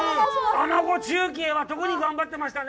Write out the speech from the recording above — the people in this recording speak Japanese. アナゴ中継は特に頑張ってましたね。